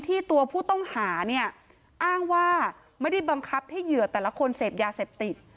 ตัวผู้ต้องหาเนี่ยอ้างว่าไม่ได้บังคับให้เหยื่อแต่ละคนเสพยาเสพติด